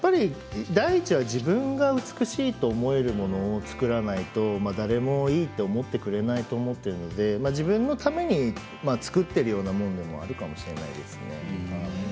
第１は自分の美しいと思えるものを作らないと誰もいいと思ってくれないと思っているので、自分のために作っているようなものもあるかもしれませんね。